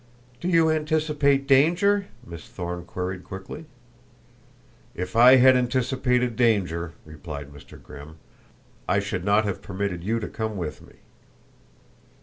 "Do you anticipate danger?" Miss Thorne queried quickly. "If I had anticipated danger," replied Mr. Grimm, "I should not have permitted you to come with me."